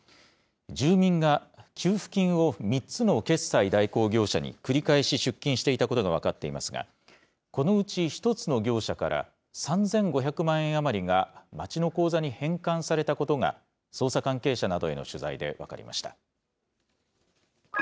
住民が給付金を３つの決済代行業者に繰り返し出金していたことが分かっていますが、このうち１つの業者から、３５００万円余りが町の口座に返還されたことが、捜査関係者などへの取材で分かりました。